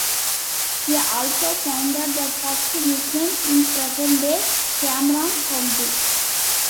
He also founded the first mission in present-day Cameron County.